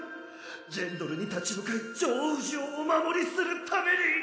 ジェンドルに立ち向かいジョー氏をお守りするために！